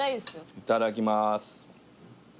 いただきます。